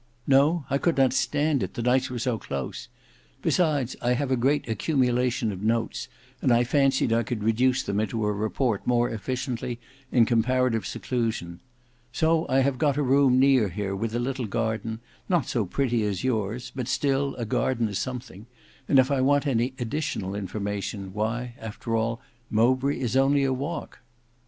"No; I could not stand it, the nights were so close. Besides I have a great accumulation of notes, and I fancied I could reduce them into a report more efficiently in comparative seclusion. So I have got a room near here, with a little garden, not so pretty as yours; but still a garden is something; and if I want any additional information, why, after all, Mowbray is only a walk."